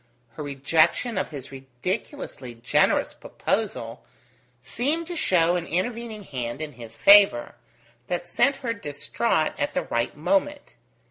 Her rejection of his ridiculously generous proposal seemed to show an intervening hand in his favour, that sent her distraught at the right moment.